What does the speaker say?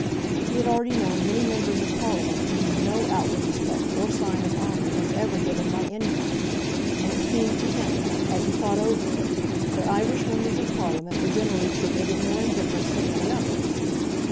He had already known many members of Parliament to whom no outward respect or sign of honour was ever given by any one; and it seemed to him, as he thought over it, that Irish members of Parliament were generally treated with more indifference than any others.